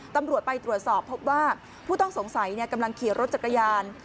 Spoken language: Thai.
ตำรวจไปตรวจสอบพบว่าผู้ต้องสงสัยกำลังขี่รถจักรยาน